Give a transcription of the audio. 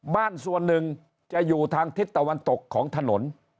บ้านส่วนหนึ่งจะอยู่ทางทิศตะวันตกของถนน